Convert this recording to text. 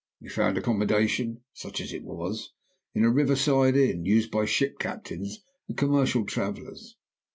We found accommodation (such as it was) in a river side inn, used by ship captains and commercial travelers.